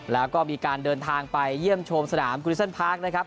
แล้วก็มีการเดินทางไปเยี่ยมชมสนามกุลิซันพาร์คนะครับ